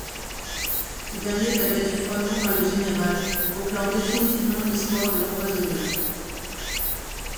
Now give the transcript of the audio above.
Ce dernier est abattu froidement par le général pour clore définitivement l'histoire de l'empoisonnement.